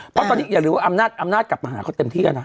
เพราะตอนนี้อย่าลืมว่าอำนาจกลับมาหาเขาเต็มที่แล้วนะ